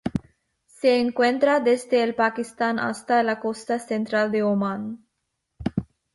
Se encuentra desde el Pakistán hasta la costa central de Omán.